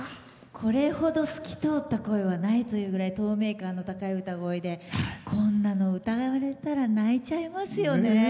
これほど透き通った声はないというぐらい透明感の高い歌声でこんなの歌われたら泣いちゃいますよね。